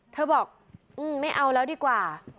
เธอบอกไม่เอาแล้วดีกว่า